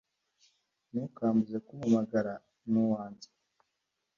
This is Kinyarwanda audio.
Ntukamubuze kumpamagara nuwange